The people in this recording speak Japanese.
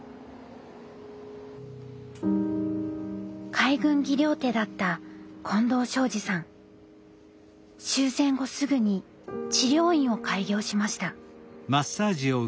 海軍技療手だった終戦後すぐに治療院を開業しました。